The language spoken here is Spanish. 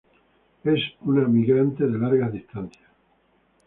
Es una migrante de largas distancias.